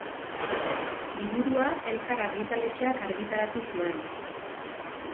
Liburua Elkar argitaletxeak argitaratu zuen.